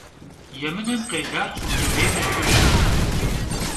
Yêmınem khêlar xhumbılêym yêhıjj.